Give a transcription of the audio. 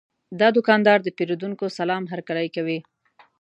دا دوکاندار د پیرودونکو سلام هرکلی کوي.